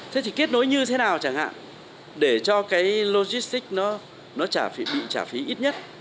thế thì kết nối như thế nào chẳng hạn để cho cái logistics nó bị trả phí ít nhất